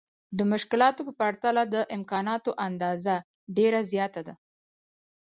د مشکلاتو په پرتله د امکاناتو اندازه ډېره زياته ده.